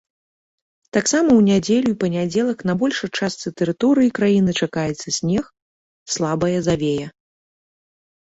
Таксама ў нядзелю і панядзелак на большай частцы тэрыторыі краіны чакаецца снег, слабая завея.